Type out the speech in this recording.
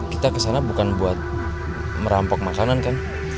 kita kesana bukan buat merampok makanan kan